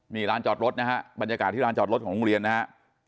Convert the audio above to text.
นี่ร้านจอดรถนะฮะบรรยากาศที่ร้านจอดรถของโรงเรียนนะฮะ